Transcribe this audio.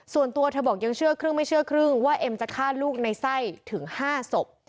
ส่วนตัวเธอบอกยังเชื่อครึ่งไม่เชื่อครึ่งว่าเอ็มจะฆ่าลูกในไส้ถึง๕ศพ